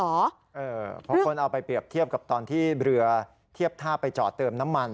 เพราะคนเอาไปเปรียบเทียบกับตอนที่เรือเทียบท่าไปจอดเติมน้ำมัน